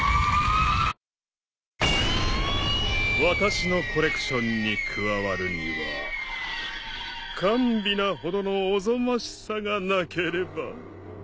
私のコレクションに加わるには甘美なほどのおぞましさがなければ。